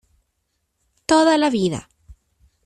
¡ toda la vida!...